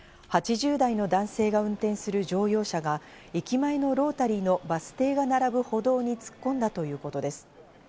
８０代の男性が運転する乗用車が、駅前のロータリーのバス停が並ぶ歩道に突っ込んだということです。